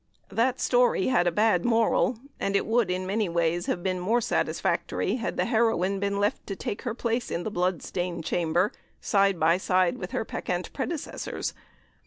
That story has a bad moral, and it would, in many ways, have been more satisfactory had the heroine been left to take her place in the blood stained chamber, side by side with her peccant predecessors.